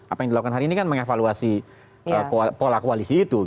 apa yang dilakukan hari ini kan mengevaluasi pola koalisi itu